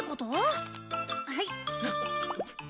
はい。